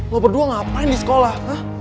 gue berdua ngapain di sekolah